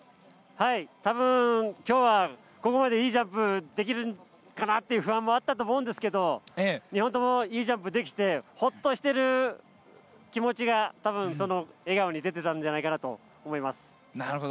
多分ここまでは、いいジャンプできるかなという不安もあったと思うんですが２本ともいいジャンプができてほっとしている気持ちが笑顔に出ていたんじゃないかなと思います。